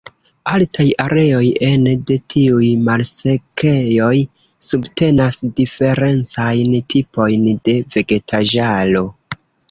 Altaj areoj ene de tiuj malsekejoj subtenas diferencajn tipojn de vegetaĵaro.